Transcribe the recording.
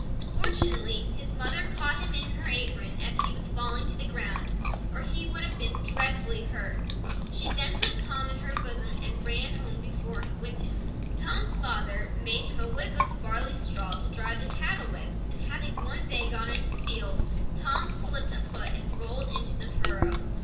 Fortunately his mother caught him in her apron as he was falling to the ground, or he would have been dreadfully hurt. She then put Tom in her bosom and ran home with him. Tom's father made him a whip of barley straw to drive the cattle with, and having one day gone into the fields, Tom slipped a foot and rolled into the furrow.